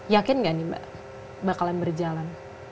yakin gak nih mbak bakalan berjalan